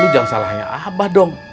jangan salahnya abah dong